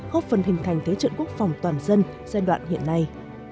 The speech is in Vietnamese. góp phần hình thành thế trận quốc phòng toàn dân giai đoạn hiện nay